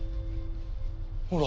ほら。